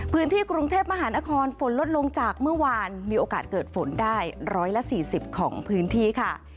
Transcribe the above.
พื้นที่กรุงเทพมหานครฝนลดลงจากเมื่อวานมีโอกาสเกิดฝนได้๑๔๐ของพื้นที่ค่ะ